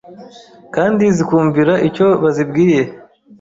kandi zikumvira icyo bazibwiye.